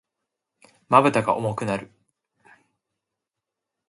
瞼が重くなる。